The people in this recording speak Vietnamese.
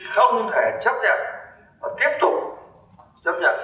không thể tiếp tục chấp nhận